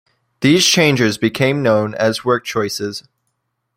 These changes became known as WorkChoices.